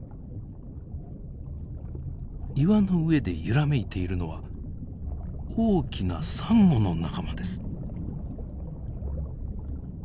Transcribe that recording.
岩の上で揺らめいているのは大きなサンゴの仲間です。